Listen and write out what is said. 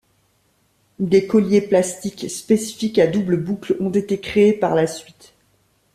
Des colliers plastiques spécifiques à doubles boucles ont été créés par la suite.